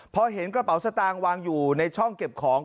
พอเห็นกระเป๋าสตางค์วางอยู่ในช่องเก็บของ